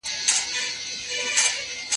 که ته ظلم وکړې، سزا به ووينې.